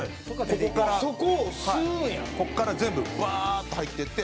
ここから全部ブワーッと入っていって。